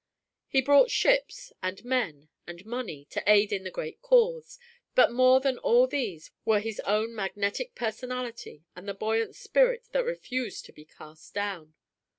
He brought ships, and men, and money to aid in the great cause, but more than all these were his own magnetic personality and the buoyant spirit that refused to be cast down.